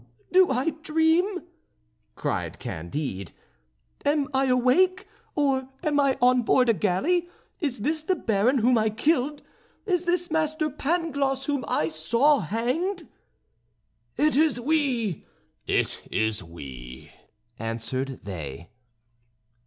"Do I dream?" cried Candide; "am I awake? or am I on board a galley? Is this the Baron whom I killed? Is this Master Pangloss whom I saw hanged?" "It is we! it is we!" answered they.